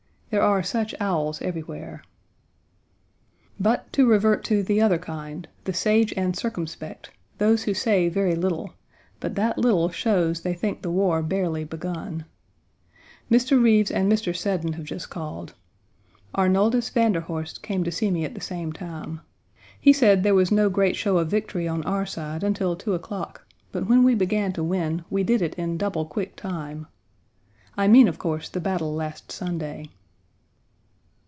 There are such owls everywhere. But, to revert to the other kind, the sage and circumspect, those who say very little, but that little shows they think the war barely begun. Mr. Rives and Mr. Seddon have just called. Arnoldus Van der Horst came to see me at the same time. He said there was no great show of victory on our side until two o'clock, but when we began to win, we did it in double quick time. I mean, of course, the battle last Sunday.